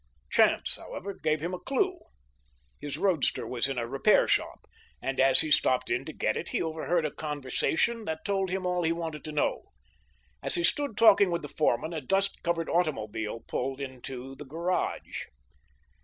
Chance, however, gave him a clue. His roadster was in a repair shop, and as he stopped in to get it he overheard a conversation that told him all he wanted to know. As he stood talking with the foreman a dust covered automobile pulled into the garage.